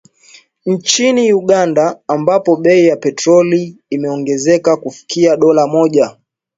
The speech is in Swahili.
Nchini Uganda ambapo bei ya petroli imeongezeka kufikia dola Mmoja